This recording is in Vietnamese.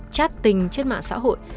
chat tình trên mạng xã hội